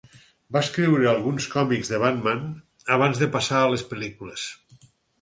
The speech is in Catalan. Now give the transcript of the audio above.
Va escriure alguns còmics de Batman abans de passar a les pel·lícules.